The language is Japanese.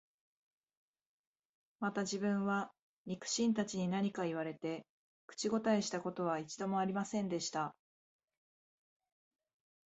また自分は、肉親たちに何か言われて、口応えした事は一度も有りませんでした